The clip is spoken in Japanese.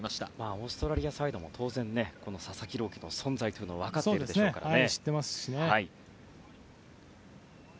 オーストラリアサイドも当然、佐々木朗希の存在は分かっているでしょうからね。